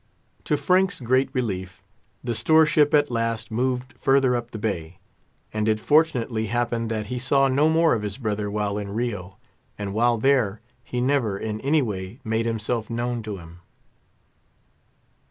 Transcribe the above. To Frank's great relief, the store ship at last moved further up the bay, and it fortunately happened that he saw no more of his brother while in Rio; and while there, he never in any way made himself known to him.